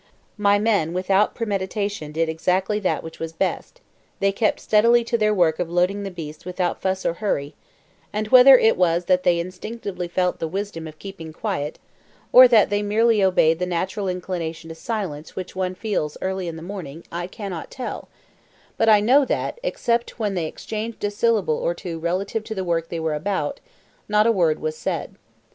My men without premeditation did exactly that which was best; they kept steadily to their work of loading the beasts without fuss or hurry; and whether it was that they instinctively felt the wisdom of keeping quiet, or that they merely obeyed the natural inclination to silence which one feels in the early morning, I cannot tell, but I know that, except when they exchanged a syllable or two relative to the work they were about, not a word was said.